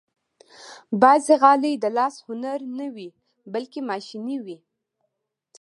بعضې غالۍ د لاس هنر نه وي، بلکې ماشيني وي.